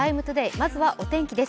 まずはお天気です。